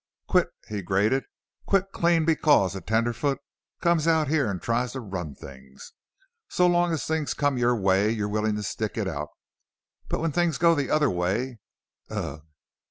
"Quit!" he grated. "Quit clean because a tenderfoot comes out here and tries to run things! So long as things come your way you're willing to stick it out, but when things go the other way Ugh!"